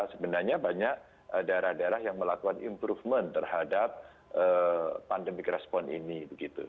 sebenarnya banyak daerah daerah yang melakukan improvement terhadap pandemic respon ini